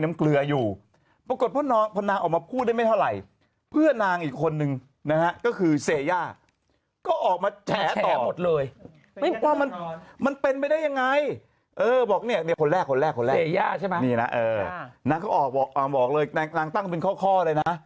มันเป็นไปได้ยังไงบอกเนี่ยคนแรกนางก็ออกบอกเลยนางตั้งเป็นข้อเลยนะ